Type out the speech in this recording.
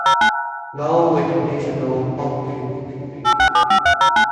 Slovak National Hockey League